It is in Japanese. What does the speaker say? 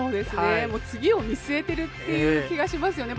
もう次を見据えているっていう気がしますよね。